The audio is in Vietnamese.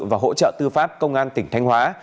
và hỗ trợ tư pháp công an tỉnh thanh hóa